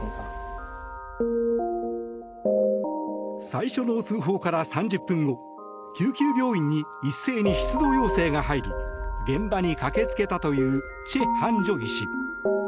最初の通報から３０分後救急病院に一斉に出動要請が入り現場に駆け付けたというチェ・ハンジョ医師。